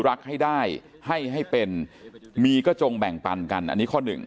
รักให้ได้ให้ให้เป็นมีก็จงแบ่งปันกันอันนี้ข้อหนึ่ง